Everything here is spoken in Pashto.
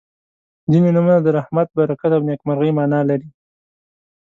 • ځینې نومونه د رحمت، برکت او نیکمرغۍ معنا لري.